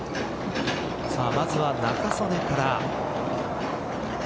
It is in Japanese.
まずは仲宗根から。